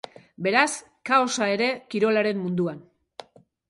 Beraz, kaosa ere kirolaren munduan.